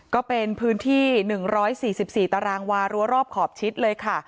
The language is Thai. ก็เป็นพื้นที่๑๔๔ตารางวารั้วรอบขอบชิดเลยค่ะ